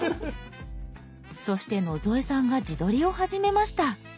そして野添さんが自撮りを始めました。